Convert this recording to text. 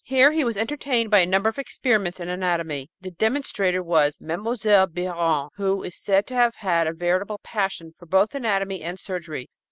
Here he was entertained by a number of experiments in anatomy. The demonstrator was Mlle. Biheron, who is said to have had a veritable passion for both anatomy and surgery.